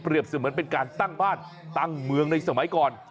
เสมือนเป็นการตั้งบ้านตั้งเมืองในสมัยก่อน